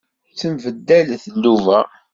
Ttembaddalet nnuba.